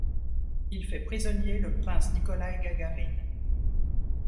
Il fait prisonnier le prince Nikolai Gagarine.